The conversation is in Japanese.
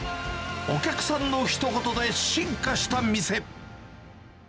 お客さんのひと言で進化した店。